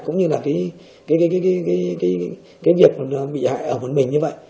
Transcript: cũng như là cái việc bị hại ở một mình như vậy